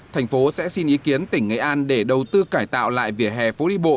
thành phố sẽ xin ý kiến tỉnh nghệ an để đầu tư cải tạo lại vỉa hè phú đi bộ